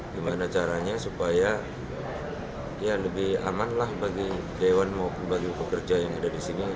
gimana caranya supaya ya lebih aman lah bagi dewan maupun bagi pekerja yang ada di sini